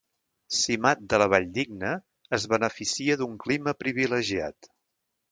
Simat de la Valldigna es beneficia d'un clima privilegiat.